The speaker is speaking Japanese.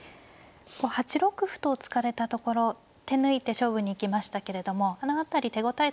８六歩と突かれたところ手抜いて勝負に行きましたけれどもあの辺り手応えとしてはいかがでしたか。